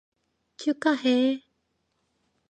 축하해!